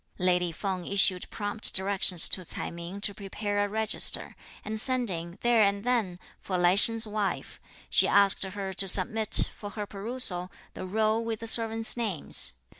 Lady Feng issued prompt directions to Ts'ai Ming to prepare a register; and sending, there and then, for Lai Sheng's wife, she asked her to submit, for her perusal, the roll with the servants' names.